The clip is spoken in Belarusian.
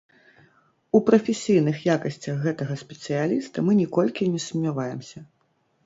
У прафесійных якасцях гэтага спецыяліста мы ніколькі не сумняемся.